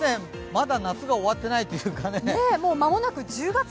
まだ夏が終わっていないというかね。